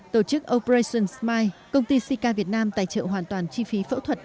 tổ chức operation smile công ty sica việt nam tài trợ hoàn toàn chi phí phẫu thuật